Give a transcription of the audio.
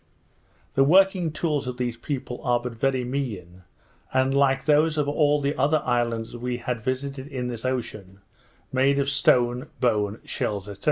The working tools of these people are but very mean, and, like those of all the other islanders we have visited in this ocean, made of stone, bone, shells, &c.